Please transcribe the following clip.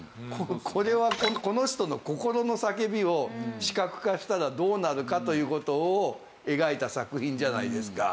これはこの人の心の叫びを視覚化したらどうなるかという事を描いた作品じゃないですか。